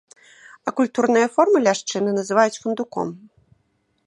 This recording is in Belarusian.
Акультураныя формы ляшчыны называюць фундуком.